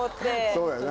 そうやな。